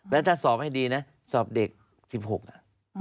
แล้วถ้าสอบให้ดีนะสอบเด็ก๑๖น่ะ